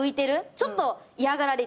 ちょっと嫌がられてる。